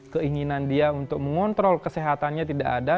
keinginan dia untuk mengontrol kesehatannya tidak ada